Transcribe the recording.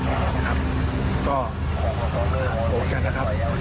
ก็โกรธกันนะครับแล้วก็แยกย้ายกันไป